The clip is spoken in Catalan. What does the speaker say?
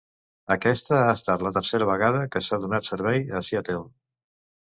Aquesta ha estat la tercera vegada que s'ha donat servei a Seattle.